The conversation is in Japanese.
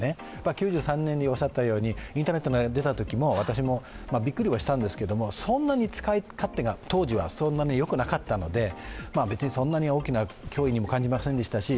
９３年にインターネットが出たときも、私もびっくりはしたんですけど、そんなに使い勝手が当時はよくなかったので、そんなに大きな脅威にも感じませんでしたし